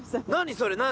それ何？